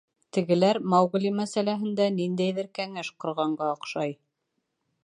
Тегеләр Маугли мәсьәләһендә ниндәйҙер кәңәш ҡорғанға оҡшай.